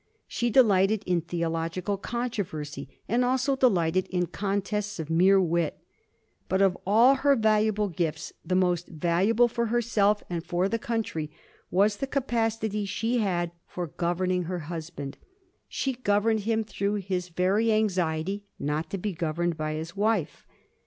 She delighted in theological controversy, and also delighted in con tests of mere wit. But of all her valuable gifts, the most valuable for herself, and for the country. Digiti zed by Google 3G2 A HISTORY OF THE POUR GEORGES, ch. xvra. was the capacity she had for governing her husband. She governed him through his very anxiety not to be governed by his wife.